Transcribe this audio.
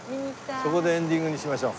そこでエンディングにしましょう。